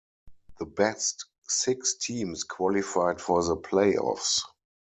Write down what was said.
The best six teams qualified for the playoffs.